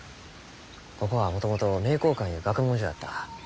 ここはもともと名教館ゆう学問所やった。